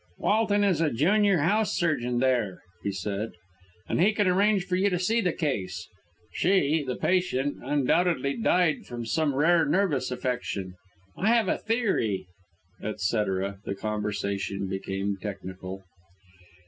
"Walton is junior house surgeon there," he said, "and he can arrange for you to see the case. She (the patient) undoubtedly died from some rare nervous affection. I have a theory," etc.; the conversation became technical.